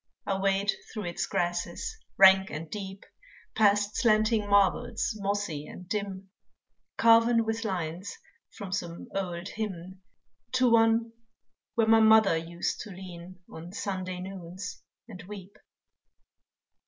I wade through its grasses rank and deep, Past slanting marbles mossy and dim, Carven with lines from some old hymn, To one where my mother used to lean On Sunday noons and weep.